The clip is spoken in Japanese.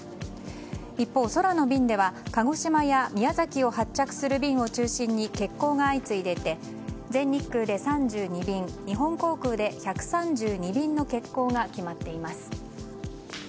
一方、空の便では鹿児島や宮崎を発着する便を中心に欠航が相次いでいて全日空で３２便日本航空で１３２便の欠航が決まっています。